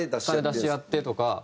金出し合ってとか。